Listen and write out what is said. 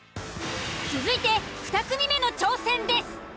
続いて２組目の挑戦です。